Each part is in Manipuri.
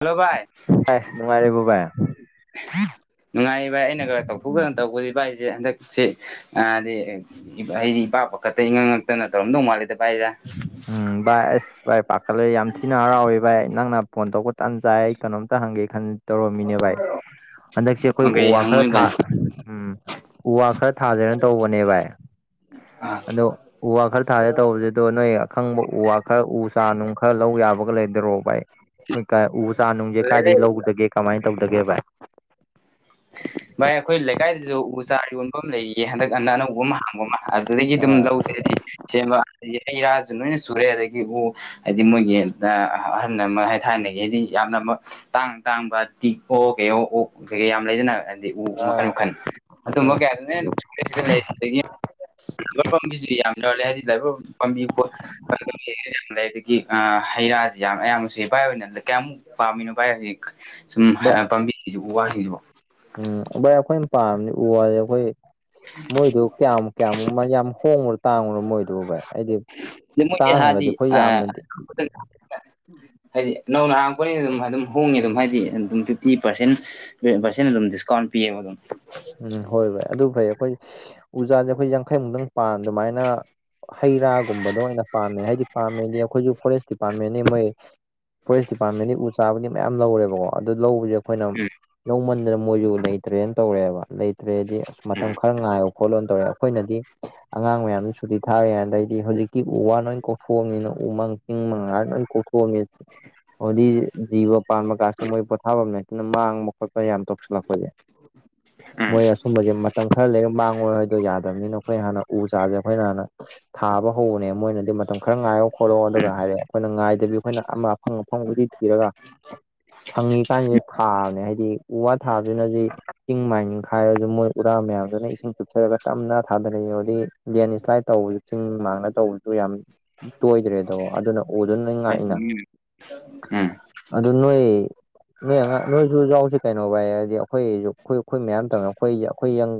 ꯍꯜꯂꯣ ꯚꯥꯏ ꯚꯥꯏ ꯅꯨꯡꯉꯥꯏꯔꯤꯕꯣ ꯚꯥꯏ ꯅꯨꯡꯉꯥꯏꯔꯤ ꯚꯥꯏ ꯑꯩꯅꯒ ꯎꯝ ꯇꯧꯊꯣꯛꯇꯅ ꯇꯧꯕꯁꯦ ꯚꯥꯏꯁꯦ ꯍꯟꯗꯛ ꯁꯤ ꯍꯥꯏꯗꯤ ꯍꯥꯏꯗꯤ ꯏꯄꯥ ꯄꯥꯈꯠꯇ ꯏꯉꯥꯛ ꯉꯛꯇꯅ ꯇꯧꯔꯝꯗꯧ ꯃꯥꯜꯂꯤꯗ ꯎꯝ ꯚꯥꯏ ꯑꯁ ꯚꯥꯢ ꯄꯥꯈꯠꯂꯦ ꯌꯥꯝ ꯊꯤꯅ ꯍꯔꯥꯎꯋꯦ ꯚꯥꯏ ꯅꯪꯅ ꯐꯣꯟ ꯇꯧꯕ ꯇꯥꯟ ꯆꯥꯏ ꯑꯩ ꯀꯩꯅꯣꯝꯇ ꯍꯪꯒꯦ ꯈꯟ ꯇꯧꯔꯝꯃꯤꯅꯦ ꯚꯥꯏ ꯍꯟꯗꯛꯁꯦ ꯑꯩꯈꯣꯏ ꯎ ꯀꯩ ꯋꯥ ꯈꯔ ꯍꯪꯉꯣꯏ ꯊꯥ ꯚꯥꯏ ꯎꯝ ꯎ ꯋꯥ ꯈꯔ ꯊꯥꯖꯦꯅ ꯇꯧꯕꯅꯦ ꯚꯥꯏ ꯑꯥ ꯑꯗꯣ ꯎ ꯋꯥ ꯈꯔ ꯊꯥꯖꯦ ꯇꯧꯕꯁꯤꯗꯣ ꯅꯣꯏ ꯈꯪꯕ ꯎ ꯋꯥ ꯈꯔ ꯎ ꯆꯥ ꯅꯨꯡ ꯈꯔ ꯂꯧ ꯌꯥꯕꯒ ꯂꯩꯗꯔꯣ ꯚꯥꯏ ꯑꯩꯈꯣꯏ ꯀꯥꯏ ꯎ ꯆꯥ ꯅꯨꯡꯁꯦ ꯂꯩ ꯂꯩ ꯀꯥꯏꯗꯒꯤ ꯂꯧꯗꯒꯦ ꯀꯃꯥꯏꯅ ꯇꯧꯗꯒꯦ ꯚꯥꯏ ꯚꯥꯏ ꯑꯩꯈꯣꯏ ꯂꯩꯀꯥꯏꯗꯁꯨ ꯎ ꯆꯥꯔ ꯌꯣꯟꯕ ꯑꯃ ꯂꯩꯌꯦꯌꯦ ꯍꯟꯗꯛ ꯑꯅ ꯑꯅꯧꯕ ꯑꯃ ꯑꯗꯨꯗꯒꯤ ꯑꯗꯨꯝ ꯑꯥ ꯂꯧꯗꯦꯗꯤ ꯁꯦꯝꯕ ꯍꯩ ꯔꯥꯁꯨ ꯂꯣꯏꯅ ꯁꯨꯔꯦ ꯑꯗꯒꯤ ꯎ ꯍꯥꯏꯗꯤ ꯃꯣꯏꯒꯤ ꯑꯍꯜ ꯑꯃ ꯊꯥꯏꯅꯒꯤ ꯍꯥꯏꯗꯤ ꯌꯥꯝꯅ ꯇꯥꯡ ꯇꯥꯡꯕ ꯇꯤꯛ ꯑꯣ ꯀꯩ ꯑꯣꯛ ꯀꯩꯀꯩ ꯌꯥꯝ ꯂꯩꯗꯅ ꯍꯥꯏꯗꯤ ꯎ ꯃꯈꯟ ꯑꯥ ꯃꯈꯜ ꯑꯗꯨꯃ ꯎꯝ ꯀꯌꯥꯔꯅꯦ ꯁꯤꯗ ꯂꯩ [unintelligible] ꯌꯥꯝ ꯌꯣꯂꯦ ꯍꯥꯏꯗꯤ ꯗꯥꯏꯕꯔ ꯄꯥꯝꯕꯤ ꯌꯥꯝ ꯂꯩ ꯑꯗꯒꯤ ꯑ ꯍꯩ ꯔꯥꯁꯤ ꯌꯥꯝ ꯑꯌꯥꯝꯅꯁꯨ ꯏꯐꯥꯏ ꯑꯣꯏꯅ ꯀꯌꯥꯃꯨꯛ ꯄꯥꯝꯃꯤꯅꯣ ꯚꯥꯏ ꯍꯧꯖꯤꯛ ꯁꯨꯝ ꯚꯥꯏ ꯄꯥꯝꯕꯤꯁꯤꯡꯁꯤꯕꯨ ꯎ ꯋꯥꯁꯤꯡꯁꯤꯕꯨ ꯎꯝ ꯚꯥꯏ ꯑꯩꯈꯣꯏꯅ ꯄꯥꯝꯅꯤ ꯎ ꯋꯥꯗꯤ ꯑꯩꯈꯣꯏ ꯃꯣꯏꯗꯨ ꯀꯌꯥꯃꯨꯛ ꯀꯌꯥꯃꯨꯛ ꯌꯥꯝ ꯍꯣꯡꯉꯨꯔꯣ ꯇꯥꯡꯕ꯭ꯔꯣ ꯃꯣꯏꯗꯨꯕꯨ ꯚꯥꯏ ꯍꯥꯏꯗꯤ ꯑꯗ ꯃꯣꯏꯗꯤ ꯇꯥꯡꯉꯒꯗꯤ ꯍꯥꯏꯗꯤ ꯑꯩꯈꯣꯏ ꯌꯥꯝꯅꯗꯤ ꯍꯥꯏꯗꯤ ꯅꯧꯅ ꯍꯥꯡꯉꯛꯄꯅꯤꯅ ꯑꯗꯨꯝ ꯑꯗꯨꯝ ꯍꯣꯡꯉꯦ ꯑꯗꯨꯝ ꯍꯥꯏꯗꯤ ꯑꯗꯨꯝ ꯐꯤꯐꯇꯤ ꯄꯥꯔꯁꯦꯟ ꯄꯔꯁꯦꯟ ꯑꯗꯨꯝ ꯗꯤꯁꯀꯥꯎꯟ ꯄꯤꯌꯦꯕ ꯑꯗꯨꯝ ꯎꯝ ꯍꯣꯏ ꯐꯣꯏ ꯑꯗꯨ ꯐꯩ ꯑꯩꯈꯣꯏ ꯎꯖꯥꯁꯦ ꯑꯩꯈꯣꯏ ꯌꯥꯡꯈꯩꯃꯨꯛꯇꯪ ꯄꯥꯟ ꯑꯗꯨꯃꯥꯏꯅ ꯍꯩ ꯔꯥꯒꯨꯝꯕꯗꯣ ꯑꯣꯏꯅ ꯄꯥꯝꯃꯦ ꯍꯥꯏꯗꯤ ꯄꯥꯃꯦꯗꯤ ꯑꯩꯈꯣꯏꯁꯨ ꯐꯣꯔꯦꯁ ꯗꯤꯄꯥꯔꯠꯃꯟꯅꯅꯤ ꯃꯣꯏ ꯐꯣꯔꯦꯁ ꯗꯤꯄꯥꯔꯠꯃꯦꯟꯒꯤ ꯎ ꯆꯥꯕꯅꯤ ꯃꯌꯥꯝ ꯂꯧꯔꯦꯕꯀꯣ ꯑꯗꯨ ꯂꯧꯕꯁꯦ ꯑꯩꯈꯣꯏꯅ ꯎꯝ ꯂꯧꯃꯟꯗꯅ ꯃꯣꯏꯁꯨ ꯂꯩꯇ꯭ꯔꯦꯅ ꯇꯧꯔꯛꯑꯦꯕ ꯂꯩꯇ꯭ꯔꯦꯗꯤ ꯑꯁ ꯃꯇꯝ ꯈꯔ ꯉꯥꯏꯌꯣ ꯈꯣꯠꯂꯣ ꯇꯧꯔꯦ ꯑꯩꯈꯣꯏꯅꯗꯤ ꯑꯉꯥꯡ ꯃꯌꯥꯝꯁꯨ ꯁꯨꯇꯤ ꯊꯥꯔꯦ ꯑꯗꯩꯗꯤ ꯍꯧꯖꯤꯛꯇꯤ ꯎ ꯋꯥ ꯂꯣꯏ ꯀꯣꯛꯊꯣꯛꯑꯝꯅꯤꯅ ꯎꯃꯪ ꯏꯁꯤꯡ ꯃꯉꯥ ꯂꯣꯏ ꯀꯣꯛꯊꯣꯛꯑꯝꯃꯤ ꯑꯗꯨꯗꯤ ꯖꯤꯕ ꯄꯥꯟꯕ ꯀꯥꯁꯤ ꯃꯣꯏ ꯄꯣꯊꯥꯐꯝꯅꯦ ꯑꯗꯨꯅ ꯃꯥꯡꯕ ꯈꯣꯠꯄ ꯌꯥꯝ ꯇꯣꯛꯁꯤꯜꯂꯛꯄꯁꯦ [inaudible] ꯎꯝ ꯃꯣꯏ ꯑꯁꯨꯝꯕꯖꯦ ꯃꯇꯝ ꯈꯔ ꯂꯩꯔ ꯃꯥꯡꯉꯣꯏ ꯍꯥꯏꯗꯣ ꯌꯥꯗꯕꯅꯤꯅ ꯑꯩꯈꯣꯏ ꯍꯥꯟꯅ ꯎ ꯆꯥꯁꯦ ꯑꯩꯈꯣꯏꯅ ꯍꯥꯟꯅ ꯊꯥꯕ ꯍꯧꯕꯅꯦ ꯃꯣꯏꯅꯗꯤ ꯃꯇꯝ ꯈꯔ ꯉꯥꯏꯌꯣ ꯈꯣꯠꯂꯣ ꯑꯗꯨꯒ ꯍꯥꯏꯔꯦ ꯑꯩꯈꯣꯏꯅ ꯉꯥꯏꯗꯕꯤ ꯑꯩꯈꯣꯏꯅ ꯑꯃ ꯑꯐꯪ ꯑꯐꯪꯕꯨꯗꯤ ꯊꯤꯔꯒ ꯁꯪꯉꯤ ꯀꯥꯟꯁꯤꯗ ꯊꯥꯕꯅꯦ ꯍꯥꯏꯗꯤ ꯎ ꯋꯥ ꯊꯥꯕꯁꯤꯅꯗꯤ ꯆꯤꯡ ꯃꯥꯏ ꯅꯤꯡꯈꯥꯏꯔꯁꯨ ꯃꯣꯏ ꯎꯔꯥ ꯃꯌꯥꯝꯗꯨꯅ ꯏꯁꯤꯡ ꯆꯨꯞꯊꯔꯒ ꯇꯞꯅ ꯊꯥꯗꯔꯛꯏ ꯍꯧꯗꯤ ꯂꯦꯟ ꯏꯁ꯭ꯂꯥꯏꯠ ꯇꯧꯕ ꯆꯤꯡ ꯃꯥꯡꯗ ꯇꯧꯕꯁꯨ ꯌꯥꯝ ꯇꯣꯏꯗ꯭ꯔꯦꯗ ꯑꯗꯨꯅ ꯎꯗꯨꯅ ꯅꯣꯏ ꯉꯥꯛꯏꯅ ꯍꯝ ꯑꯗꯨ ꯅꯣꯏ ꯅꯣꯏ ꯑꯉꯥꯡ ꯅꯣꯏꯁꯨ ꯌꯥꯎꯁꯤ ꯀꯩꯅꯣꯕꫪ ꯚꯥꯏ ꯍꯥꯏꯗꯤ ꯑꯩꯈꯣꯏꯁꯨ ꯑꯩꯈꯣꯏ ꯑꯩꯈꯣꯏ ꯃꯌꯥꯝ ꯇꯧꯃꯦ ꯑꯩꯈꯣꯏ ꯑꯩꯈꯣꯏꯪ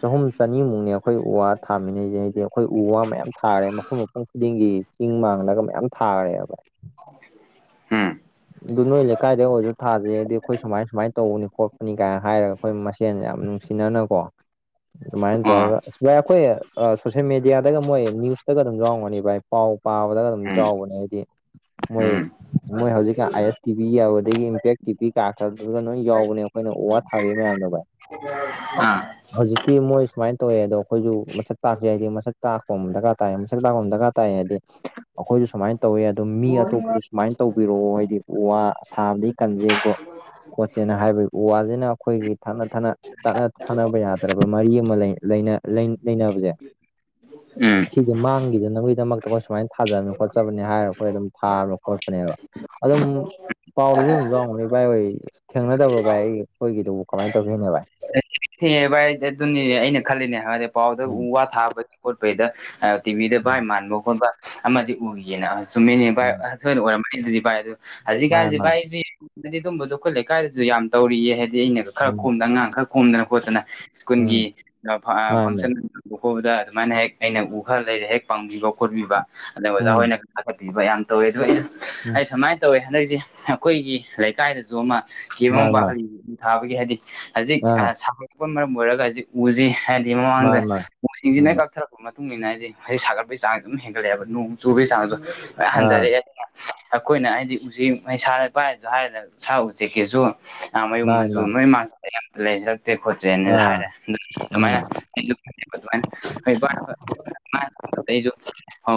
ꯆꯍꯨꯝ ꯆꯅꯤꯃꯨꯛꯅꯦ ꯑꯩꯈꯣꯏ ꯎ ꯋꯥ ꯊꯥꯃꯤꯟꯅꯩꯁꯦ ꯍꯥꯏꯗꯤ ꯑꯩꯈꯣꯏ ꯎ ꯋꯥ ꯃꯌꯥꯝ ꯊꯥꯔꯦ ꯃꯐꯝ ꯃꯐꯝ ꯈꯨꯗꯤꯡꯒꯤ ꯆꯤꯡ ꯃꯥꯡꯂꯒ ꯃꯌꯥꯝ ꯊꯥꯒ꯭ꯔꯦꯕ ꯚꯥꯏ ꯎꯝ ꯑꯗꯨ ꯅꯣꯏ ꯂꯩꯀꯥꯏꯗ ꯑꯣꯏꯔꯁꯨ ꯊꯥꯗꯦ ꯍꯥꯏꯗꯤ ꯑꯩꯈꯣꯏ ꯁꯨꯃꯥꯏ ꯁꯨꯃꯥꯏꯅ ꯇꯧꯕꯅꯤ ꯈꯣꯠꯄꯅꯤ ꯀꯥꯏꯅ ꯍꯥꯏꯔꯒ ꯑꯩꯈꯣꯏ ꯃꯁꯦꯟ ꯌꯥꯝ ꯅꯨꯡꯁꯤꯅꯅꯀꯣ ꯑꯗꯨꯃꯥꯏꯅ ꯑꯣ ꯇꯧꯔꯒ ꯚꯥꯏ ꯑꯩꯈꯣꯏ ꯁꯣꯁꯌꯦꯦꯜ ꯃꯦꯗꯤꯌꯥꯗꯒ ꯃꯣꯏ ꯅ꯭ꯌꯨꯁꯇꯒ ꯑꯗꯨꯝ ꯌꯥꯎꯔꯝꯒꯅꯤ ꯚꯥꯏ ꯄꯥꯎ ꯄꯥꯕꯗꯒ ꯑꯗꯨꯝ ꯎꯝ ꯆꯥꯎꯕꯅꯦ ꯍꯥꯏꯗꯤ ꯃꯣꯏ ꯎꯝ ꯃꯣꯏ ꯍꯧꯖꯤꯛꯀ ꯑꯥꯏ ꯑꯦꯁ ꯇꯤꯚꯤ ꯌꯥꯎꯕ ꯑꯗꯒꯤ ꯏꯝꯄꯦꯛ ꯇꯤꯚꯤ ꯀꯥꯈ꯭ꯔꯗꯨ ꯂꯣꯏ ꯌꯥꯎꯕꯅꯦ ꯑꯩꯈꯣꯏꯅ ꯎ ꯋꯥ ꯊꯥꯒ ꯃꯌꯥꯝꯗꯣꯚꯥꯏ ꯑꯣ ꯑꯥ ꯍꯧꯖꯤꯛꯇꯤ ꯃꯣꯏ ꯁꯨꯃꯥꯏꯅ ꯇꯧꯋꯦ ꯑꯗꯣ ꯑꯩꯈꯣꯏꯁꯨ ꯃꯁꯛ ꯇꯥꯛꯀꯦꯗꯤ ꯍꯥꯏꯗꯤ ꯃꯁꯛ ꯇꯥꯛꯄꯝꯃ ꯗꯔꯀꯥꯔ ꯇꯥꯏꯌꯦ ꯃꯁꯛ ꯇꯥꯛꯄꯝꯃ ꯗꯔꯀꯥꯔ ꯇꯥꯏꯗꯤ ꯑꯩꯈꯣꯏꯁꯨ ꯁꯨꯃꯥꯏꯅ ꯇꯧꯋꯦ ꯑꯣ ꯃꯤ ꯑꯇꯣꯞꯄꯁꯨ ꯁꯨꯃꯥꯏꯅ ꯇꯧꯕꯤꯔꯛꯑꯣ ꯍꯥꯏꯗꯤ ꯎ ꯋꯥ ꯁꯥꯕꯗꯒꯤ ꯀꯟꯖꯦꯀꯣ ꯈꯣꯠꯁꯦꯅ ꯍꯥꯏꯕꯒꯤ ꯎ ꯋꯥꯁꯤꯅ ꯑꯩꯈꯣꯏꯒꯤ ꯊꯠꯅ ꯊꯥꯅ ꯇꯠꯅ ꯊꯥꯅꯕ ꯌꯥꯗ꯭ꯔꯕ ꯃꯔꯤ ꯑꯃ ꯂꯩꯅꯕꯁꯦ ꯎꯝ ꯁꯤꯗꯤ ꯃꯥꯡꯈꯤꯗꯅꯕꯒꯤꯗꯃꯛꯇ ꯑꯩꯈꯣꯏ ꯁꯨꯃꯥꯏꯅ ꯊꯥꯖꯕꯅꯤ ꯈꯣꯠꯆꯕꯅꯤ ꯍꯥꯏꯔ ꯑꯩꯈꯣꯏ ꯑꯗꯨꯝ ꯊꯥꯕ ꯈꯣꯠꯄꯅꯦꯕ ꯑꯗꯨꯝ ꯄꯥꯎꯗꯁꯨ ꯑꯗꯨꯝ ꯆꯥꯎꯎꯕꯅꯤ ꯏꯕꯥꯥꯏ ꯍ ꯊꯦꯡꯅꯗꯕ꯭ꯔꯣ ꯚ ꯑꯩꯈꯣꯏꯒꯤꯗꯨꯕꯨ ꯀꯃꯥꯏꯅ ꯇꯧꯈꯤꯦꯅ ꯥꯏ ꯊꯦꯡꯉꯦ ꯚꯥꯏꯗꯤ ꯑꯗꯨꯅꯤꯅꯦ ꯑꯩꯅ ꯈꯜꯂꯤꯅꯦ ꯍꯥꯏꯗꯤ ꯄꯥꯎꯗ ꯎꯝ ꯎ ꯋꯥ ꯊꯥꯕꯒꯤ ꯈꯣꯠꯄꯩꯗ ꯇꯤꯚꯤꯗ ꯚꯥꯏ ꯎꯝ ꯃꯥꯟꯕ ꯈꯣꯠꯄ ꯑꯃꯗꯤ ꯎꯈꯤꯦꯅ ꯆꯨꯝꯃꯤꯅꯦ ꯎꯝ ꯚꯥꯏꯁꯣꯏꯅ ꯑꯣꯏꯔꯝꯝꯕꯅꯤꯗꯨꯗꯤ ꯚꯥꯏ ꯑꯗꯨ ꯃꯥꯅꯦ ꯍꯧꯖꯤꯛꯀꯥꯟꯁꯤ ꯃꯥꯅꯦ ꯚꯥꯏꯗꯤ ꯑꯗꯨꯝꯕꯗꯣ ꯈꯨꯈꯠ ꯂꯩꯀꯥꯏꯗꯁꯨ ꯌꯥꯝ ꯇꯧꯔꯤꯌꯦ ꯍꯥꯏꯗꯤ ꯑꯩꯅꯗ ꯈꯔ ꯎꯝ ꯈꯣꯝꯗꯅ ꯑꯉꯥꯡ ꯈꯔ ꯈꯣꯝꯗꯅ ꯈꯣꯠꯇꯅ ꯎꯝ ꯁ꯭ꯀꯨꯜꯒꯤ ꯃꯥꯅꯦ ꯐꯪꯁꯟ ꯀꯣꯗ ꯑꯗꯨꯃꯥꯏꯅ ꯍꯦꯛ ꯑꯩꯅ ꯎ ꯈꯔ ꯂꯩꯔ ꯍꯦꯛ ꯄꯥꯡꯕꯤꯕ ꯈꯣꯠꯄꯤꯕ ꯑꯗꯅ ꯑꯣꯖꯥ ꯎꯝ ꯍꯣꯏꯅꯥꯠꯄꯤ ꯄꯤꯕ ꯌꯥꯝ ꯇꯧꯋꯦ ꯑꯗꯨꯗꯣ ꯑꯩꯁꯨ ꯎꯝ ꯑꯩ ꯁꯨꯃꯥꯏꯅ ꯇꯧꯋꯦ ꯍꯟꯗꯛꯁꯤ ꯑꯩꯈꯣꯏꯒꯤ ꯂꯩꯀꯥꯏꯗꯁꯨ ꯑꯃ ꯀꯦ ꯃ ꯃꯥꯅꯤ ꯃꯥꯅꯤ ꯄꯥꯍꯜꯂꯤ ꯎ ꯊꯥꯕꯒꯤ ꯍꯥꯏꯗꯤ ꯍꯧꯖꯤꯛ ꯑꯥ ꯁꯥꯗꯣꯔꯛꯄꯅ ꯃꯔꯝ ꯑꯣꯏꯔꯒ ꯍꯧꯖꯤꯛ ꯎꯁꯤ ꯍꯥꯏꯗꯤ ꯃꯃꯥꯡꯗ ꯃꯥꯅꯤ ꯃꯥꯅꯤ ꯎꯁꯤꯡꯁꯤꯅ ꯎꯝ ꯀꯛꯊꯔꯛꯄ ꯃꯇꯨꯡ ꯏꯟꯅ ꯑꯩꯗꯤ ꯃꯁꯤ ꯁꯥꯒꯠꯄꯒꯤ ꯆꯥꯡ ꯑꯗꯨꯝ ꯍꯦꯟꯒꯠꯂꯛꯑꯦꯕ ꯅꯣꯡ ꯆꯨꯕꯒꯤ ꯆꯥꯡꯁꯨ ꯍ ꯑꯥ ꯍꯟꯊꯔꯛꯑꯦ ꯑꯩꯈꯣꯏꯅ ꯍꯥꯏꯗꯤ ꯎꯆꯦꯛ ꯁꯥꯥ ꯂꯩ ꯄꯥꯏꯁꯨ ꯍꯥꯏꯔꯅ ꯁꯥ ꯎꯆꯦꯛꯀꯤꯁꯨ ꯃꯌꯨꯝ ꯃꯥꯅꯤ ꯃꯆꯨ ꯃꯥꯅꯤ ꯃꯣꯏ ꯃꯥꯝ ꯂꯩꯁꯤꯜꯂꯛꯇ꯭ꯔꯦ ꯈꯣꯠꯇ꯭ꯔꯦꯅꯁꯨ ꯑꯥ ꯍꯥꯏꯔꯦ ꯎꯝ ꯑꯗꯨꯃꯥꯏꯅ ꯅꯤ ꯍ ꯑꯩꯁꯨ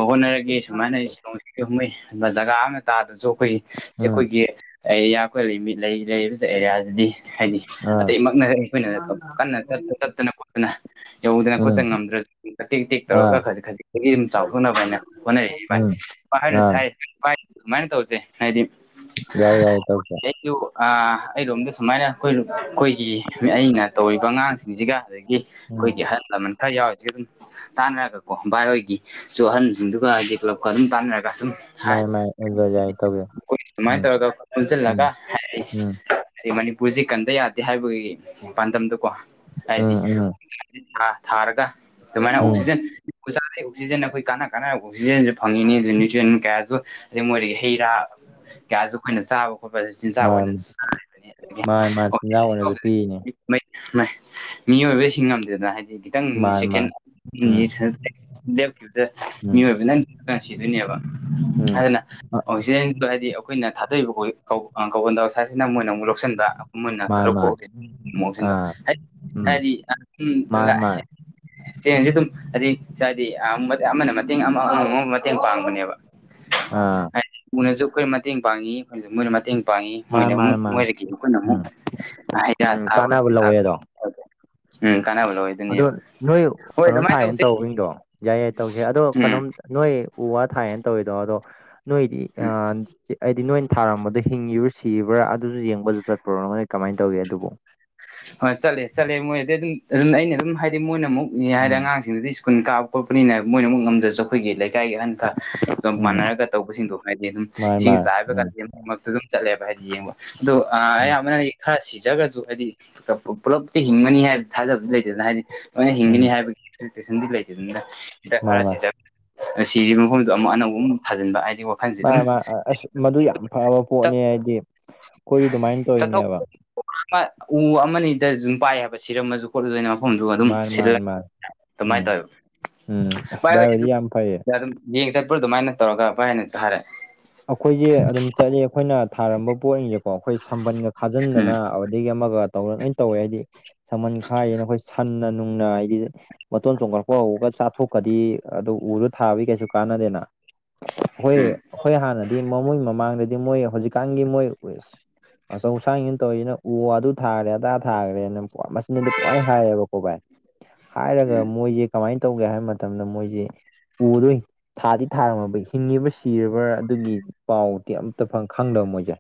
ꯍꯣꯠꯅꯔꯒꯦ ꯁꯨꯃꯥꯏꯅꯣꯡ ꯍꯨꯝꯃꯩꯕ ꯖꯒꯥ ꯑꯃ ꯇꯥꯗꯁꯨ ꯎꯝ ꯑꯩꯈꯣꯏꯒꯤ ꯑꯩꯈꯣꯏꯒꯤ ꯑꯦꯔꯤꯌꯥ ꯑꯩꯈꯣꯏ ꯑꯦꯔꯤꯌꯥꯁꯤꯗꯤ ꯍꯥꯏꯗꯤ ꯑꯥ ꯑꯇꯩꯃꯛꯅ ꯑꯩꯈꯣꯏꯅ ꯀꯟꯅ ꯆꯠꯇꯅ ꯈꯣꯠꯇꯅ ꯌꯧꯗꯅ ꯎꯝ ꯈꯣꯠꯇꯅ ꯉꯝꯗ꯭ꯔꯁꯨ ꯇꯦꯛ ꯇꯦꯛ ꯑꯥ ꯇꯧꯔꯒ ꯈꯖꯤꯛꯛꯇꯗꯤ ꯑꯗꯨꯝ ꯆꯥꯎꯊꯣꯛꯅꯕꯅꯦ ꯍꯅꯦ ꯄꯥꯏ ꯎꯝ ꯄꯥꯏꯅꯨ ꯑꯥ ꯆꯥꯏ ꯑꯗꯨꯃꯥꯏꯅ ꯇꯧꯁꯦ ꯍꯥꯏꯗꯤ ꯌꯥꯏ ꯌꯥꯏ ꯇꯧꯁꯦ ꯊ ꯑꯩꯔꯣꯝꯗ ꯁꯨꯃꯥꯏꯅ ꯑꯩꯈꯣꯏ ꯑꯩꯈꯣꯏꯒꯤ ꯑꯩꯅ ꯇꯧꯔꯤꯕ ꯑꯉꯥꯡꯁ ꯁꯤꯡꯁꯤꯒ ꯑꯗꯒꯤ ꯎꯝ ꯑꯩꯈꯣꯏꯒꯤ ꯑꯍꯜ ꯂꯃꯟ ꯈꯔ ꯌꯥꯎꯔꯤꯁꯤꯒ ꯑꯗꯨꯝ ꯇꯥꯟꯅꯔꯒꯀꯣ ꯚꯥꯏ ꯍꯣꯏꯒꯤꯁꯨ ꯑꯍꯟꯁꯤꯡꯗꯨꯒ ꯍꯥꯏꯗꯤ ꯀ꯭ꯂꯞꯀ ꯑꯗꯨꯝ ꯇꯥꯟꯅꯔꯒ ꯁꯨꯝ ꯍꯥꯏ ꯃꯥꯅꯤ ꯃꯥꯅꯤ ꯑꯗꯨꯗ ꯌꯥꯏ ꯇꯧꯁꯦ ꯑꯩꯣꯏ ꯁꯨꯃꯥꯏꯅ ꯎꯝ ꯇꯧꯔꯒ ꯑꯩꯈꯣꯏ ꯄꯨꯟꯁꯤꯜꯂꯒ ꯎꯝ ꯍꯥꯏ ꯎꯝ ꯍꯥꯏꯗꯤ ꯃꯅꯤꯄꯨꯔꯁꯤ ꯀꯟꯗ ꯌꯥꯗꯦ ꯍꯥꯏꯕꯒꯤ ꯄꯥꯟꯗꯝꯗꯀꯣ ꯍꯥꯏꯗꯤ ꯎꯝ ꯎꯝ ꯊꯥꯔꯒ ꯑꯗꯨꯃꯥꯏꯅ ꯎꯝ ꯑꯣꯛꯁꯤꯖꯦꯟ ꯥꯗꯩ ꯑꯣꯛꯁꯤꯖꯦꯟ ꯑꯩꯈꯣꯏ ꯀꯥꯟꯅ ꯀꯥꯟꯅꯕ ꯑꯣꯛꯁꯤꯖꯦꯟꯁꯨ ꯐꯪꯉꯤꯅꯤ ꯑꯗꯨ ꯅ꯭ꯌꯨꯇ꯭ꯔꯤꯟ ꯀꯌꯥꯁꯨ ꯑꯗꯩ ꯃꯣꯏꯗꯒꯤ ꯍꯩ ꯔꯥ ꯀꯌꯥꯁꯨ ꯑꯩꯈꯣꯏꯅ ꯆꯥꯕ ꯈꯣꯠꯄꯁꯨ ꯆꯤꯟꯖꯥꯛ ꯑꯣꯏꯅꯁꯨ ꯆꯥꯔꯤꯕꯅꯤ ꯑꯗꯒꯤ ꯏꯟꯖꯥꯡ ꯑꯣꯏꯅꯁꯨ ꯄꯤꯔꯤꯅꯦ ꯃꯤꯑꯣꯏꯕꯁꯤꯡ ꯉꯝꯗꯗꯅ ꯍꯥꯏꯗꯤ ꯈꯤꯇꯪꯗꯤ ꯃꯥꯅꯤ ꯁꯦꯀꯦꯟ ꯃꯥꯅꯤ ꯎꯝ ꯌꯦ ꯂꯦꯞꯈꯤꯕꯗ ꯎꯝ ꯃꯤꯑꯣꯏꯕ ꯅꯪ ꯁꯤꯗꯣꯏꯅꯦꯕ ꯎꯝ ꯑꯗꯨꯅ ꯑꯣꯛꯁꯤꯖꯦꯟꯗꯣ ꯍꯥꯏꯗꯤ ꯑꯩꯈꯣꯏꯅ ꯊꯥꯗꯣꯛꯏꯕ ꯑꯩꯈ ꯀꯟꯗꯥ ꯁ꯭ꯋꯥꯏꯁꯤꯅ ꯃꯣꯏꯅ ꯑꯃꯨꯛ ꯂꯧꯁꯤꯟꯕ ꯃꯥꯅꯤ ꯃꯥꯅꯤ ꯃꯨꯟꯅꯁꯤꯡꯗ ꯑꯥ ꯍꯥꯏꯗꯤ ꯎꯝ ꯍꯥꯏꯗꯤ ꯃꯥꯅꯤ ꯃꯥꯅꯤ ꯆꯦꯟꯁꯦ ꯑꯗꯨꯝ ꯍꯥꯏꯗꯤ ꯍꯥꯏꯗꯤ ꯑꯃꯅ ꯃꯇꯦꯡ ꯑꯃ ꯑꯃ ꯑꯃ ꯃꯇꯦꯡ ꯄꯥꯡꯕꯅꯦꯕ ꯑꯥ ꯍꯥꯏꯗꯤ ꯎꯅꯁꯨ ꯑꯩꯈꯣꯏ ꯃꯇꯦꯡ ꯄꯥꯡꯉꯤ ꯑꯩꯈꯣꯏꯅꯁꯨ ꯃꯣꯏꯅ ꯃꯇꯦꯡ ꯄꯥꯡꯉꯤ ꯃꯥꯅꯤ ꯃꯣꯏꯅ ꯃꯥꯅꯤ ꯑꯃꯨꯛ ꯃꯥꯅꯤ ꯃꯣꯏꯗꯒꯤ ꯑꯩꯈꯣꯏꯅ ꯑꯃꯨꯛ ꯎꯝ ꯍꯩꯔꯥ ꯎꯝ ꯆꯥꯕ ꯀꯥꯟꯅꯕ ꯄꯤꯖꯥꯛ ꯂꯧꯋꯦ ꯑꯗꯣ ꯎꯝ ꯀꯥꯟꯅꯕꯗꯣ ꯑꯗꯣ ꯅꯣꯏ ꯀꯩꯅꯣ ꯊꯥꯏꯌꯦꯅ ꯇꯧꯕꯩꯗꯣ ꯌꯥꯏ ꯌꯥꯏ ꯇꯧꯁꯦ ꯑꯗꯣ ꯎꯝ ꯎꯝ ꯀꯩꯅꯣꯝ ꯅꯣꯏ ꯎ ꯋꯥ ꯊꯥꯏꯌꯦꯅ ꯇꯧꯋꯤꯗꯣ ꯑꯗꯣ ꯅꯣꯏꯗꯤ ꯑꯥ ꯍꯥꯏꯗꯤ ꯅꯣꯏꯅ ꯊꯥꯔꯝꯕꯗꯣ ꯍꯤꯡꯉꯤꯕ꯭ꯔꯣ ꯁꯤꯕ꯭ꯔꯥ ꯑ ꯑꯗꯨꯁꯨ ꯌꯦꯡꯕꯁꯨ ꯆꯠꯄ꯭ꯔꯣ ꯅꯪꯣꯏꯅ ꯀꯃꯥꯏꯅ ꯇꯧꯒꯦ ꯑꯗꯨꯕꯨ ꯍꯣꯏ ꯆꯠꯂꯦ ꯆꯠꯂꯦ ꯃꯣꯏꯗꯤ ꯑꯗꯨꯝ ꯑꯗꯨꯝ ꯑꯩꯅ ꯑꯗꯨꯝ ꯍꯥꯏꯗꯤ ꯃꯣꯏꯅ ꯑꯃꯨꯛ ꯏ ꯍꯥꯏꯔꯦ ꯎꯝ ꯑꯉꯥꯡꯁꯤꯡꯗꯨꯗꯤ ꯁꯀꯨ ꯀꯥꯕ ꯈꯣꯠꯄꯅꯦꯅ ꯃꯣꯏꯅꯃꯛ ꯉꯝꯖꯁꯨ ꯑꯩꯈꯣꯏꯒꯤ ꯂꯩꯀꯥꯏꯒꯤ ꯑꯍꯟ ꯈ ꯎꯝ ꯃꯥꯟꯅꯔꯒ ꯇꯧꯕꯁꯤꯡꯗꯣ ꯍꯥꯏꯗꯤ ꯑꯗꯨꯝ ꯃꯥꯅꯦ ꯏꯁꯤꯡ ꯃꯥꯅꯦ ꯆꯥꯏꯕꯒ ꯑꯗꯨꯝ ꯆꯠꯂꯦꯕ ꯍꯥꯏꯗꯤ ꯌꯦꯡꯕ ꯑꯗꯣ ꯎꯝ ꯑꯌꯥꯝꯕꯅꯗꯤ ꯈꯔ ꯁꯤꯖꯈ꯭ꯔꯁꯨ ꯍꯥꯏꯗꯤ ꯄꯨꯜꯂꯞꯇꯤ ꯍꯤꯡꯒꯅꯤ ꯍꯥꯏꯕ ꯊꯥꯖꯕꯗꯤ ꯂꯩꯇꯦꯗꯅ ꯍꯥꯏꯗꯤ ꯂꯣꯏꯅ ꯍꯤꯡꯒꯅꯤ ꯎꯝ ꯍꯥꯏꯕꯒꯤ ꯁꯟꯗꯤ ꯂꯩꯇꯦꯗꯨꯗ ꯍꯤꯗꯥꯛ ꯃꯥꯅꯦ ꯈꯔ ꯃꯥꯅꯦ ꯁꯤꯖꯕ ꯁꯤꯔꯤꯕ ꯃꯐꯝꯗꯣ ꯑꯃꯨꯛ ꯑꯅꯧꯕ ꯑꯃꯨꯛ ꯊꯥꯖꯤꯟꯕ ꯍꯥꯏꯗꯤꯀ ꯃꯥ ꯃꯥ ꯑꯁ ꯃꯗꯨ ꯌꯥꯝ ꯐꯕ ꯄꯣꯠꯅꯤ ꯍꯥꯏꯗꯤ ꯑꯩꯈꯣꯏꯁꯨ ꯑꯗꯨꯃꯥꯏꯅ ꯇꯧꯔꯤꯅꯦꯕ [unintelligible] ꯄꯨꯜꯂꯦꯅ ꯃꯐꯝꯗꯨ ꯑꯗꯨꯝ ꯃꯥꯅꯦ ꯁꯤꯜꯂꯒ ꯃꯥꯅꯦ ꯃꯥꯅꯦ ꯑꯗꯨꯃꯥꯏꯅ ꯎꯝ ꯇꯧꯋꯦꯕ ꯎꯝ ꯑꯁ ꯚꯥꯏ ꯍꯣꯏꯗꯤ ꯚꯥꯏꯍꯣꯏꯗꯤ ꯑꯗꯨꯝ ꯌꯥꯝ ꯐꯩꯌꯦ ꯁꯤꯗ ꯑꯗꯨꯝ ꯌꯦꯡ ꯆꯠꯄ꯭ꯔꯣ ꯑꯗꯨꯃꯥꯏꯅ ꯇꯧꯔꯒ ꯚꯥꯏꯅ ꯊꯥꯔꯦ ꯑꯩꯈꯣꯏꯁꯦ ꯑꯗꯨꯝ ꯆꯠꯂꯤ ꯑꯩꯈꯣꯏꯅ ꯊꯥꯔꯝꯕ ꯄꯣꯠꯖꯤꯡꯖꯦꯀꯣ ꯑꯩꯈꯣꯏ ꯁꯝꯕꯟꯒ ꯎꯝ ꯈꯥꯖꯟꯗꯅ ꯑꯗꯒꯤ ꯑꯃꯒ ꯇꯧꯔꯒ ꯂꯣꯏꯅ ꯇꯧꯋꯦ ꯍꯥꯏꯗꯤ ꯁꯝꯕꯟ ꯈꯥꯔꯤꯅꯦꯅ ꯑꯩꯈꯣꯏ ꯁꯟꯅ ꯅꯨꯡꯅ ꯍꯥꯏꯗꯤ ꯃꯇꯣꯟ ꯆꯣꯡꯈꯠꯂꯛꯄ ꯍꯧꯕꯒ ꯆꯥꯊꯣꯛꯈ꯭ꯔꯗꯤ ꯑꯗꯨ ꯎꯗꯣ ꯊꯥꯕꯒꯤ ꯀꯩꯁꯨ ꯀꯥꯟꯅꯗꯦꯅ ꯑꯩꯈꯣꯏ ꯎꯝ ꯑꯩꯈꯣꯏ ꯍꯥꯟꯅꯗꯤ ꯃꯃꯣꯏ ꯃꯃꯥꯡꯗꯗꯤ ꯃꯣꯏ ꯍꯧꯖꯤꯛꯀꯥꯟꯒꯤ ꯃꯣꯏ ꯑꯆꯧ ꯑꯁꯥꯡꯁꯤꯅ ꯇꯧꯔꯤꯁꯤꯅ ꯎ ꯑꯗꯨ ꯊꯥꯔꯦ ꯑꯗꯥ ꯊꯥꯔꯦꯅ ꯃꯆꯤꯟꯗꯗꯤ ꯄꯨꯡꯍꯥꯏ ꯍꯥꯏꯌꯦꯕꯀꯣ ꯚꯥꯏ ꯍꯥꯏꯔꯒ ꯎꯝ ꯃꯣꯏꯁꯦ ꯀꯃꯥꯏꯅ ꯇꯧꯒꯦ ꯍꯥꯏꯕ ꯃꯇꯝꯗ ꯃꯣꯏꯖꯦ ꯎꯗꯤ ꯊꯥꯗꯤ ꯊꯥꯔꯝꯃꯕ ꯍꯤꯡꯉꯤꯕ ꯁꯤꯔꯕ꯭ꯔꯥ ꯑꯗꯨꯒꯤ ꯄꯥꯎꯗꯤ ꯑꯝꯇ ꯐꯪ ꯈꯪꯗꯕ ꯃꯣꯏꯖꯦ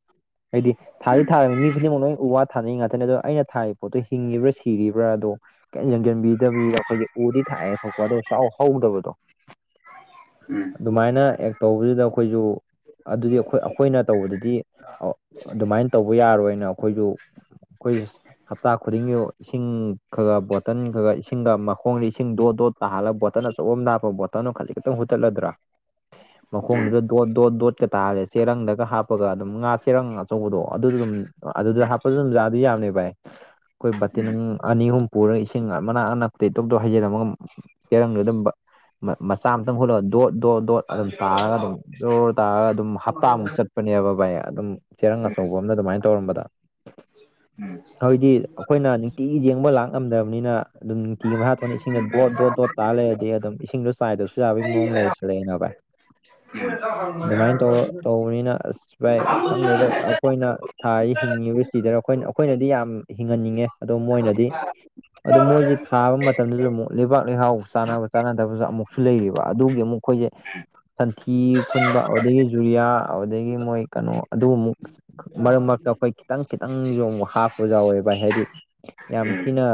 ꯍꯥꯏꯗꯤ ꯊꯥꯗꯤ ꯎꯝ ꯊꯥꯔꯝꯃꯤ ꯃꯤ ꯈꯨꯗꯤꯡꯃꯛ ꯂꯣꯏ ꯋꯥꯠ ꯊꯥꯅꯩ ꯉꯥꯛꯇꯅꯦ ꯑꯗꯣ ꯑꯩꯅ ꯊꯥꯔꯤ ꯄꯣꯠꯇꯣ ꯍꯤꯡꯉꯤꯕ꯭ꯔꯥ ꯁꯤꯔꯤꯕ꯭ꯔꯥ ꯑꯗꯣ ꯀꯩꯝ ꯌꯦꯡꯖꯟꯕꯤꯗꯕꯤꯗ ꯑꯩꯈꯣꯏꯖꯦ ꯎꯗꯤ ꯊꯥꯏꯌꯦ ꯊꯣꯛꯄ ꯑꯗꯣ ꯁꯨꯍꯥꯎ ꯍꯧꯗꯕꯗꯣ [unintelligible] ꯑꯗꯨꯃꯥꯏꯅ ꯑꯦꯛ ꯇꯧꯕꯁꯤꯗ ꯑꯩꯈꯣꯏꯖꯨ ꯑꯗꯨꯗꯤ ꯑꯩꯈꯣꯏ ꯑꯩꯈꯣꯏꯅ ꯇꯧꯕꯗꯗꯤ ꯑ ꯑꯗꯨꯃꯥꯏꯅ ꯇꯧꯕ ꯌꯥꯔꯣꯏꯅ ꯑꯩꯈꯣꯏꯖꯨ [unintelligible] ꯍꯞꯇꯥ ꯈꯨꯗꯤꯡꯒꯤ ꯏꯁꯤꯡ ꯈꯔ ꯕꯣꯇꯟ ꯈꯔ ꯏꯁꯤꯡꯒ ꯃꯈꯣꯡꯗ ꯏꯁꯤꯡ ꯗꯣꯠ ꯗꯣꯠ ꯇꯥꯍꯜꯂ ꯕꯣꯇꯟ ꯑꯆꯧꯕ ꯑꯝꯗ ꯍꯥꯞꯄ ꯕꯣꯇꯟꯗꯣ ꯈꯖꯤꯛ ꯈꯇꯪ ꯍꯨꯠꯇꯠꯂꯗ꯭ꯔꯥ [inaudible] ꯃꯈꯣꯡꯗꯨꯗ ꯗꯣꯠ ꯗꯣꯠ ꯗꯣꯠꯀ ꯇꯥꯔ ꯆꯦꯔꯪꯗꯒ ꯍꯥꯞꯄꯒ ꯑꯗꯨꯝ ꯉꯥ ꯆꯦꯔꯪ ꯑꯆꯧꯕꯗꯣ ꯑꯗꯨꯖꯨ ꯑꯗꯨꯝ ꯑꯗꯨꯗ ꯍꯥꯞꯄꯖꯨ ꯑꯗꯨꯝ ꯌꯥꯗꯤ ꯌꯥꯕꯅꯦ ꯚꯥꯏ ꯑꯩꯈꯣꯏ ꯎꯝ ꯕꯥꯇꯤꯟ ꯑꯅꯤ ꯑꯍꯨꯝ ꯄꯨꯔꯒ ꯏꯁꯤꯡ ꯃꯅꯥꯛ ꯑꯅꯛ ꯇꯩ ꯇꯣꯞ ꯗꯣꯞ ꯍꯩꯖꯔꯝꯃꯒ ꯆꯦꯔꯪ ꯂꯩꯗꯝꯕ ꯃ ꯃꯆꯥ ꯑꯃꯇꯪ ꯍꯨꯠꯂꯒ ꯗꯣꯠ ꯗꯣꯠ ꯗꯣꯠ ꯑꯗꯨꯝ ꯇꯥꯔꯒ ꯑꯗꯨꯝ ꯎꯝ ꯖꯣ ꯇꯥꯔꯒ ꯑꯗꯨꯝ ꯍꯞꯇꯥꯃꯨꯛ ꯆꯠꯄꯅꯦꯕ ꯚꯥꯏ ꯑꯗꯨꯝ ꯆꯦꯔꯪ ꯑꯆꯧꯕ ꯑꯃꯅ ꯑꯗꯨꯃꯥꯏꯅ ꯇꯧꯔꯝꯕꯗ [unintelligible] ꯍꯥꯏꯗꯤ ꯑꯩꯈꯣꯏꯅ ꯅꯨꯡꯇꯤꯒꯤ ꯌꯦꯡꯕ ꯂꯥꯛ ꯉꯝꯗꯕꯅꯤꯅ ꯑꯗꯨꯝ ꯅꯨꯡꯇꯤꯒꯤ ꯃꯥꯍꯥꯊꯣꯟꯅ ꯏꯁꯤꯡꯅ ꯗꯣꯠ ꯗꯣꯠ ꯗꯣꯠ ꯇꯥ ꯂꯩꯔꯗꯤ ꯑꯗꯨꯝ ꯏꯁꯤꯡꯗꯣ ꯆꯥꯏꯗ꯭ꯔꯁꯨ ꯌꯥꯕꯒꯤ ꯃꯑꯣꯡ ꯂꯩꯔꯁꯨ ꯂꯩꯩꯅ ꯚꯥꯏ [unintelligible] ꯑꯗꯨꯃꯥꯏꯅ ꯇꯧꯔ ꯇꯧꯕꯅꯤꯅ ꯑꯁ ꯚꯥꯏ ꯈꯪꯗꯦꯗ ꯑꯩꯈꯣꯏꯅ ꯊꯥꯔꯤꯁꯤ ꯍꯤꯡꯉꯤꯕ ꯁꯤꯗꯔ ꯑꯩꯈꯣꯏꯅ ꯑꯩꯈꯣꯏꯅꯗꯤ ꯌꯥꯝ ꯍꯤꯡꯍꯟꯅꯤꯡꯉꯦ ꯑꯗꯣ ꯃꯣꯏꯅꯗꯤ ꯑꯗꯣ ꯃꯣꯏꯁꯦ ꯊꯥꯕ ꯃꯇꯝꯗꯁꯨ ꯑꯃꯨꯛ ꯂꯩꯕꯥꯛ ꯂꯩꯍꯥꯎ ꯆꯥꯅꯕ ꯆꯥꯟꯅꯗꯕꯁꯨ ꯑꯃꯨꯛꯁꯨ ꯂꯩꯔꯤꯕ ꯑꯗꯨꯒꯤ ꯑꯃꯨꯛ ꯑꯩꯈꯣꯏꯁꯦ ꯁꯟꯊꯤ ꯈꯨꯟꯕ ꯑꯗꯨꯗꯒꯤ ꯖꯨꯔꯤꯌꯥ ꯑꯗꯨꯗꯒꯤ ꯃꯣꯏ ꯀꯩꯅꯣ ꯑꯗꯨꯒꯃꯨꯛ ꯃꯔꯛ ꯃꯔꯛꯇ ꯑꯩꯈꯣꯏ ꯈꯤꯇꯪ ꯈꯤꯇꯪ ꯌꯣꯡꯕ ꯍꯥꯞꯄ ꯌꯥꯎꯋꯦ ꯚꯥꯏ ꯍꯥꯏꯗꯤ ꯌꯥꯝ ꯎꯝ ꯊꯤꯅ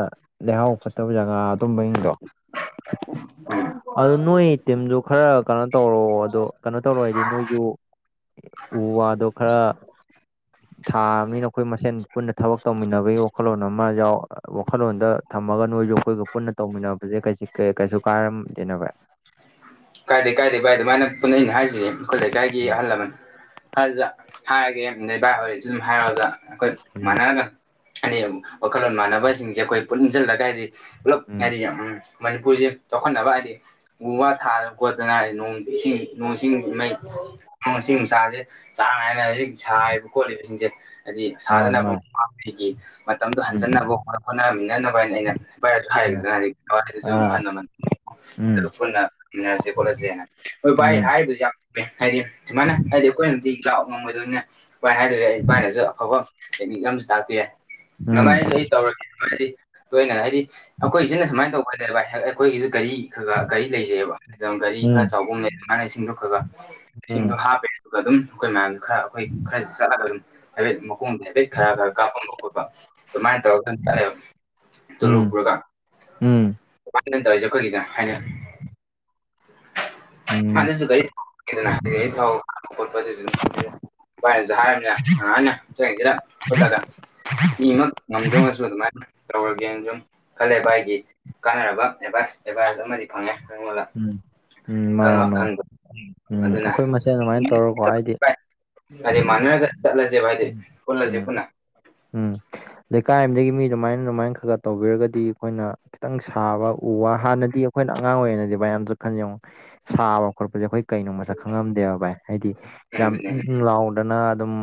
ꯂꯩꯍꯥꯎ ꯐꯠꯇꯕ ꯖꯒꯥ ꯑꯗꯨꯝꯕꯁꯤꯡꯗꯣ ꯑꯗꯨ ꯅꯣꯏ ꯇꯤꯝꯗꯨ ꯈꯔ ꯀꯩꯅꯣ ꯇꯧꯔꯣꯑꯣ ꯑꯗꯨ ꯀꯩꯅꯣ ꯇꯧꯔ ꯍꯥꯏꯗꯤ ꯅꯣꯏꯁꯨ ꯎ ꯋꯥꯗꯣ ꯈꯔ ꯊꯥ ꯑꯃꯅꯤꯅ ꯑꯩꯈꯣꯏ ꯃꯁꯦꯟ ꯄꯨꯟꯅ ꯊꯕꯛ ꯇꯧꯃꯤꯟꯅꯕꯒꯤ ꯋꯥꯈꯜꯂꯣꯟ ꯑꯃ ꯌꯥꯎ ꯋꯥꯈꯜꯂꯣꯟꯗ ꯊꯝꯃꯒ ꯅꯣꯏ ꯌꯣꯛꯈꯣꯏꯒ ꯄꯨꯟꯅ ꯇꯧꯃꯤꯟꯅꯕꯁꯦ ꯀꯩꯁꯨ ꯀꯥꯏꯔꯝꯗꯦꯅꯦꯕꯚ ꯀꯥꯏꯗꯦ ꯀꯥꯏꯗꯦ ꯚꯥꯏ ꯑꯗꯨꯃꯥꯏꯅ ꯄꯨꯟꯅꯩꯅ ꯍꯥꯏꯁꯤ ꯑꯩꯈꯣꯏ ꯂꯩꯀꯥꯏꯒꯤ ꯎꯝ ꯑꯍꯜ ꯂꯃꯟ ꯑꯗꯨꯗ ꯍꯥꯏꯔꯒꯦ ꯚꯥꯏ ꯍꯣꯏꯁꯨ ꯑꯗꯨꯨꯝ ꯍꯥꯏꯔꯛꯑꯒ ꯑꯩꯈꯣꯏ ꯃꯥꯟꯅꯅ ꯑꯔꯦꯝ ꯋꯥꯈꯜꯂꯣꯟ ꯃꯥꯟꯅꯕꯁꯤꯡꯁꯦ ꯑꯩꯈꯣꯏ ꯄꯨꯟꯖꯤꯜꯂꯒ ꯍꯥꯏꯗꯤ ꯄꯨꯂꯞ ꯎꯝ ꯍꯥꯏꯗꯤ ꯑꯝ ꯃꯅꯤꯄꯨꯔꯁꯦ ꯆꯥꯎꯈꯠꯅꯕ ꯍꯥꯏꯗꯤ ꯎ ꯋꯥ ꯊꯥꯗꯅ ꯀꯣꯠꯇꯅ ꯍꯥꯏ ꯅꯣꯡ ꯏꯁꯤꯡ ꯅꯣꯡ ꯁꯤꯡ ꯃꯩ ꯍꯥ ꯁꯤ ꯅꯨꯡꯁꯥꯖꯦ ꯆꯥꯡ ꯅꯥꯏꯅ ꯍꯧꯖꯤꯛ ꯁꯥꯔꯤꯕ ꯈꯣꯠꯂꯤꯕꯁꯤꯡꯁꯦ ꯍꯥꯏꯗꯤ ꯃꯥꯅꯤ ꯁꯥꯗꯅꯕ ꯃꯥꯅꯤ ꯃꯃꯥꯡꯉꯩꯒꯤ ꯃꯇꯝꯗꯣ ꯎꯝ ꯍꯟꯖꯟꯅꯕ ꯍꯣꯠꯅ ꯍꯣꯠꯅꯃꯤꯟꯅꯅꯕ ꯍꯥꯏꯅ ꯑꯩꯅ ꯚꯥꯏ ꯑꯩꯁꯨ ꯍꯥꯏꯔꯤꯗꯅ ꯍꯥꯏꯗꯤ ꯊꯋꯥꯏꯗꯨꯁꯨ ꯑꯍꯜ ꯑꯥ ꯂꯃꯟ ꯎꯝ ꯄꯨꯟꯅ ꯏꯟꯅꯖꯦ ꯈꯣꯠꯂꯁꯦꯅ ꯍꯣꯏ ꯚꯥꯏ ꯎꯝ ꯍꯥꯏꯕꯨꯗꯤ ꯌꯥꯝꯃꯦ ꯍꯥꯏꯗꯤ ꯁꯨꯃꯥꯏꯅ ꯍꯥꯏꯗꯤ ꯑꯩꯈꯣꯏꯅ ꯍꯧꯥꯛ ꯉꯝꯕꯗꯅꯤ ꯚꯥꯏꯅ ꯍꯥꯏꯗꯔꯦ ꯑꯩ ꯏꯚꯕꯥꯥꯏꯅꯁꯨ ꯑꯐꯕ ꯇꯦꯛꯅꯤꯛ ꯑꯃꯁꯨ ꯇꯥꯛꯄꯤꯔꯦ ꯎꯝ ꯅꯨꯡꯉꯥꯏꯔꯤꯁꯦ ꯑꯩ ꯇꯧꯔꯒꯦꯗꯤ ꯂꯣꯏꯅꯅ ꯍꯥꯏꯗꯤ ꯑꯩꯈꯣꯏꯁꯤꯅ ꯁꯨꯃꯥꯏꯅ ꯇꯧꯕ ꯍꯥꯏꯇꯥꯔꯦ ꯚ ꯍ ꯑꯩꯈꯣꯏꯒꯤꯁꯨ ꯒꯥꯔꯤ ꯈ ꯀꯔꯤ ꯂꯩꯖꯩꯑꯕ ꯒꯥꯔꯤ ꯈꯔ ꯎꯝ ꯆꯥꯎꯕ ꯂꯩ ꯃꯥꯅ ꯏꯁꯤꯡꯗꯣ ꯈꯈꯣꯏ ꯏꯁꯤꯡꯗꯣ ꯎꯝ ꯍꯥꯞꯄꯦ ꯑꯗꯨꯒ ꯑꯗꯨꯝ ꯑꯩꯈꯣꯏ ꯃ ꯈꯔ ꯑꯩꯈꯣꯏ ꯈꯔ ꯆꯠꯂꯒꯅꯤ ꯍꯥꯏꯐꯦꯠ ꯃꯈꯣꯡꯗ ꯍꯥꯏꯐꯦꯠ ꯈꯔ ꯈꯔ ꯀꯥꯞꯄꯝꯕ ꯈꯣꯠꯄ ꯑꯗꯨꯃꯥꯏꯅ ꯇꯧꯔꯒ ꯈ ꯇꯔꯦꯕ ꯇꯂꯨ ꯎꯝ ꯄ꯭ꯔꯙꯥꯟ ꯎꯝ ꯀꯩꯅꯅ ꯇꯧꯔꯤꯁ ꯑꯩꯈꯣꯏꯒꯤꯁꯅ ꯍꯥꯏꯅ ꯎꯝ ꯑꯗꯁꯨ ꯒꯥꯔꯤ ꯊꯗꯔꯤ ꯊ ꯍꯥꯔꯅꯁꯤꯂꯒ ꯃꯤꯃꯛ ꯉꯝꯗ꯭ꯔꯃꯁꯨ ꯑꯗꯨꯃꯥꯏꯅ ꯇꯧꯔꯒꯦꯅ ꯁꯨꯝ ꯈꯜꯂꯦ ꯚꯥꯏꯒꯤ ꯀꯥꯟꯅꯔꯕ ꯑꯦꯗꯚꯥꯏꯁ ꯑꯦꯗꯚꯥꯏꯁ ꯑꯃꯗꯤ ꯐꯪꯉꯦ ꯑꯩꯉꯣꯟꯗ ꯎꯝ ꯎꯝ ꯃꯥꯅꯤ ꯃꯥꯅꯤ ꯈꯪꯕ ꯎꯝ ꯑꯗꯨꯅ ꯑꯩꯈꯣꯏ ꯃꯁꯦꯟ ꯑꯗꯨꯃꯥꯏꯅ ꯇꯧꯔꯀꯣ ꯍꯥꯏꯗꯤ ꯍꯥꯏꯗꯤ ꯃꯥꯟꯅꯔꯒ ꯆꯠꯂꯁꯦꯕ ꯍꯥꯏꯗꯤ ꯄꯨꯜꯂꯁꯦ ꯎꯝ ꯄꯨꯟꯅ ꯎꯝ ꯂꯩꯀꯥꯏ ꯑꯗꯒꯤ ꯃꯤ ꯑꯗꯨꯃꯥꯏꯅ ꯑꯗꯨꯃꯥꯏꯅ ꯈꯔ ꯈꯔ ꯇꯧꯕꯤꯔꯒꯗꯤ ꯑꯩꯈꯣꯏꯅ ꯈꯤꯇꯪ ꯁꯥꯕ ꯎ ꯋꯥ ꯍꯥꯟꯅꯗꯤ ꯑꯩꯈꯣꯏꯅ ꯑꯉꯥꯡ ꯑꯣꯏꯔꯤꯉꯩꯗꯤ ꯃꯌꯥꯝꯁꯨ ꯈꯟ ꯌꯦꯉ ꯁꯥꯕ ꯈꯣꯠꯄꯁꯦ ꯑꯩꯈꯣꯏ ꯀꯩꯅꯣ ꯃꯁꯛ ꯈꯪꯉꯝꯗꯦꯕ ꯚꯥꯏ ꯍꯥꯏꯗꯤ ꯎꯝ ꯌꯥꯝ ꯑꯗꯨꯅꯤ ꯏꯪꯪ ꯂꯥꯎꯗꯅ ꯑꯗꯨꯝ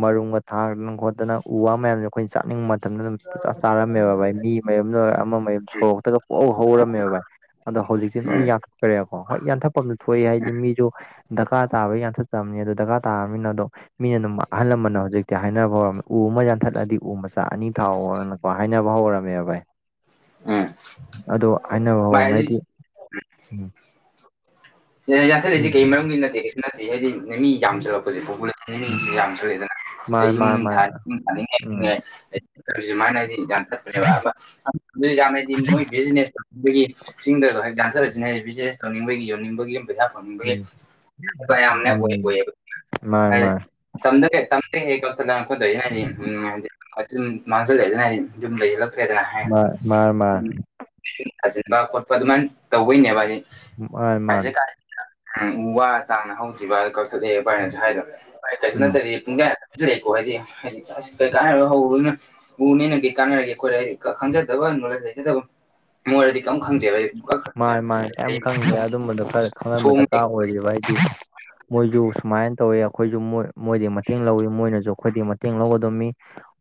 ꯃꯔꯨꯝꯒ ꯊꯥꯗꯅ ꯈꯣꯠꯇꯅ ꯎ ꯋꯥ ꯃꯌꯥꯝꯁꯦ ꯑꯩꯈꯣꯏꯅ ꯆꯥꯅꯤꯡꯕ ꯃꯇꯝꯗ ꯑꯗꯨꯝ ꯄꯨꯆꯥꯥ ꯆꯥꯔꯝꯃꯦꯕꯚ ꯃꯤ ꯃꯌꯨꯝꯗ ꯑꯃ ꯃꯌꯨꯝ ꯁꯣꯔꯣꯛꯇꯒ ꯄꯣꯛꯑꯧ ꯍꯧꯔꯝꯃꯦꯕ ꯚꯥꯏ ꯑꯗꯣ ꯍꯧꯖꯤꯛꯇꯤ ꯎꯝ ꯂꯣꯏ ꯌꯥ ꯔꯦꯀꯣ ꯍꯣꯏ ꯌꯥꯟꯊꯠꯄ ꯑꯃꯗ ꯊꯣꯛꯑꯏ ꯍꯥꯏꯗꯤ ꯃꯤ ꯨ ꯗꯔꯀꯥꯔ ꯇꯥꯕꯒꯤ ꯌꯥꯟꯊꯠꯆꯕꯅꯤ ꯑꯗꯨꯣ ꯗꯔꯀꯥꯔ ꯇꯥꯔꯕꯅꯤꯅ ꯑꯗꯣ ꯃꯤꯅ ꯑꯗꯨꯝ ꯑꯍꯜ ꯂꯃꯟꯅ ꯍꯧꯖꯤꯛꯇꯤ ꯍꯥꯏꯅꯕ ꯍꯧꯔꯝꯃꯦ ꯎ ꯑꯃ ꯌꯥꯟꯊꯠꯂꯗꯤ ꯎ ꯃꯆꯥ ꯑꯅꯤ ꯊꯥꯎ ꯍ ꯍꯥꯏꯅꯕ ꯍꯧꯔꯝꯃꯦꯕ ꯚꯥꯏ ꯎꯝ ꯑꯗꯣ ꯍꯥꯏꯅꯕ ꯚꯥꯏ ꯑꯗꯨ ꯍꯧꯔꯝꯃꯦꯗꯤ ꯌꯥꯊꯦꯁꯤꯦ ꯎꯝ ꯀꯩ ꯃꯔꯝꯒꯤ ꯏ ꯅꯠꯇꯦ ꯅꯠꯇꯗꯤ ꯍꯥꯏꯗꯤ ꯃꯤ ꯌꯥꯝꯁꯤꯜꯂꯛꯄꯁꯦ ꯄꯣꯄꯨꯂꯦꯁꯟ ꯎꯝ ꯃꯤꯁꯦ ꯌꯥꯝꯁꯜꯂꯛꯦꯗꯅ ꯑꯩ ꯃꯥꯅꯦ ꯃꯥꯅꯦ ꯌꯨꯝ ꯃꯥꯅꯦ ꯊ ꯌꯨꯝ ꯎꯝ ꯊꯥꯅꯤꯡꯉ ꯁꯨꯃꯥꯏꯅ ꯍꯥꯏꯗꯤ ꯌꯥꯝ ꯊꯠꯄꯅꯦꯕ ꯌꯥꯝ ꯍꯥꯏꯗꯤ ꯃꯣꯏ ꯕꯤꯅꯦꯁ ꯑꯩꯈꯣꯏꯒꯤ ꯆꯤꯡꯗꯁꯨ ꯍꯦꯛ ꯥꯟꯊꯔꯂꯁꯤꯅ ꯕꯤꯖꯤꯅꯦꯁ ꯇꯧꯅꯤꯡꯕꯒꯤ ꯌꯣꯟꯅꯤꯡꯕꯒꯤ ꯄꯩꯁꯥ ꯐꯪꯅꯤꯡꯕꯒꯤ ꯎꯝ ꯌꯥꯝꯅ ꯑꯣꯏ ꯎꯝ ꯑꯣꯏꯌꯦꯕ ꯃꯥꯅꯦ ꯍꯥꯏ ꯃꯥꯅꯦ ꯇꯝꯗ꯭ꯔꯦ ꯇꯝ꯭ꯔꯦ ꯍꯦꯛꯒꯗꯀꯗꯩꯅꯅꯤ ꯎꯝꯗꯤ ꯀ ꯃꯁ ꯂꯩ ꯍꯥꯏꯗ ꯐ꯭ꯔꯦꯗꯅ ꯍꯥꯏ ꯃꯥꯅꯦ ꯃꯥꯅꯦ ꯎ ꯃꯥꯅꯦ ꯊꯥꯖꯤꯟꯕ ꯈꯣꯠꯄ ꯑꯗꯨꯃꯥꯏꯅ ꯇꯧꯕꯗꯣꯏꯅꯦꯕ ꯍꯥꯏꯗꯤ ꯃꯥꯅꯦ ꯍꯥꯏꯆꯦ ꯃꯥꯅꯦ ꯀ ꯎ ꯋꯥ ꯆꯥꯅ ꯍꯈꯤꯕꯤ ꯋꯥ ꯀ ꯑꯚꯥꯏꯅꯁꯨ ꯍꯥꯏꯗꯚ ꯀꯩꯁꯨ ꯎꯝ ꯅꯠꯇꯗꯤ ꯂꯩꯀꯣ ꯍꯥꯏꯗꯤ ꯍꯥꯏꯗꯤ ꯑꯁ ꯀꯩꯀꯥꯔ ꯍꯧꯔꯨꯅ ꯎꯅꯦꯅꯒꯤ ꯀꯥꯟꯅꯔꯒꯦ ꯑꯩꯈꯣꯏꯗꯤ ꯈꯪꯖꯗꯕ ꯅꯣꯂꯦꯖ ꯂꯩꯖꯗꯕ ꯃꯣꯏꯔꯗꯤ ꯀꯝ ꯈꯪꯗꯦꯕ ꯍꯥꯏꯗꯤ ꯄꯨꯡꯀꯛ ꯃꯥꯥꯏ ꯈꯠꯂꯦꯕ ꯃꯥꯥꯏ ꯑꯩ ꯀ ꯈꯪꯗꯦ ꯑꯗꯨꯝꯕꯗꯣ ꯐꯔ ꯈꯪꯍꯟꯕ ꯁꯣꯡ ꯗꯔꯀꯥꯔ ꯑꯣꯏꯔꯤꯕ ꯍꯥꯏꯗꯤ ꯃꯣꯏꯁꯨ ꯁꯨꯃꯥꯏꯅ ꯇꯧꯋꯦ ꯑꯩꯈꯣꯏꯁꯨ ꯃꯣꯏ ꯃꯣꯏꯗꯤ ꯃꯇꯦꯡ ꯂꯧꯋꯤ ꯃꯣꯏꯅꯁꯨ ꯑꯩꯈꯣꯏꯗꯤ ꯃꯇꯦꯡ ꯂꯧꯒꯗꯕꯅꯤ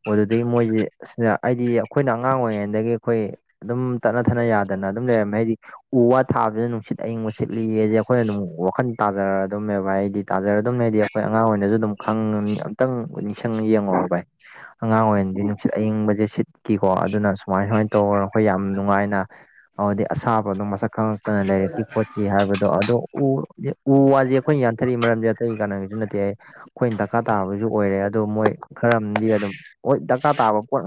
ꯑꯣ ꯑꯗꯨꯗꯒꯤ ꯃꯣꯏꯁꯦ ꯁꯤꯗ ꯍꯥꯏꯗꯤ ꯑꯩꯈꯣꯏꯅ ꯑꯉꯥꯡ ꯑꯣꯏꯔꯤꯉꯩꯗꯒꯤ ꯑꯩꯈꯣꯏ ꯑꯗꯨꯝ ꯇꯠꯅ ꯊꯠꯅ ꯌꯥꯗꯅ ꯑꯗꯨꯝ ꯂꯩꯔꯝꯃꯦ ꯍꯥꯏꯗꯤ ꯎ ꯋꯥ ꯊꯥꯕꯁꯤꯅ ꯑꯗꯨ ꯁꯤꯠ ꯑꯏꯪꯕ ꯁꯤꯠꯂꯤꯒꯁꯦ ꯑꯩꯈꯣꯏꯅ ꯑꯗꯨꯝ ꯋꯥꯈꯟ ꯇꯥꯖꯔ ꯑꯗꯨꯝꯃꯦꯕ ꯍꯥꯏꯗꯤ ꯇꯥꯖꯔ ꯑꯗꯨꯝ ꯂꯩꯗꯤ ꯑꯩꯈꯣꯏ ꯑꯉꯥꯡ ꯑꯣꯏꯅꯁꯨ ꯑꯗꯨꯝ ꯑꯝꯇꯪ ꯅꯤꯡꯁꯤꯡ ꯌꯦꯡꯉꯛꯑꯣ ꯚꯥꯏ ꯑꯉꯥꯡ ꯑꯣꯏꯔꯤꯗꯤ ꯅꯨꯡꯁꯤꯠ ꯑꯏꯤꯡꯕꯁꯦ ꯁꯤꯠꯀꯤꯀꯣ ꯑꯗꯨꯅ ꯁꯨꯃꯥꯏ ꯁꯨꯃꯥꯏꯅ ꯇꯧꯔꯒ ꯑꯩꯈꯣꯏ ꯌꯥꯝ ꯅꯨꯡꯉꯥꯏꯅ [inaudible] ꯍꯥꯏꯗꯤ ꯑꯁꯥꯕꯗꯣ ꯃꯁꯛ ꯈꯪꯉꯛꯇꯅ ꯂꯩꯔꯛꯈꯤ ꯈꯣꯠꯈꯤ ꯍꯥꯏꯕꯗꯣ ꯑꯗꯨꯗꯣ ꯎ ꯎ ꯋꯥꯁꯦ ꯑꯩꯈꯣꯏꯅ ꯌꯥꯟꯊꯔꯛꯏ ꯃꯔꯝꯁꯦ ꯑꯇꯩ ꯀꯥꯟꯅꯒꯤꯁꯨ ꯅꯠꯇꯦ ꯍꯥꯏ ꯑꯩꯈꯣꯏꯅ ꯗꯔꯀꯥꯔ ꯇꯥꯕꯁꯨ ꯑꯣꯏꯔꯦ ꯑꯗꯣ ꯃꯣꯏ ꯈꯔꯗꯤ ꯑꯗꯨꯝ ꯍ ꯗꯔꯀꯥꯔ ꯇꯥꯕ ꯄꯣꯠ